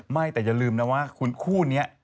ไม่แต่อย่าลืมนะว่าคุณคู่เนี่ย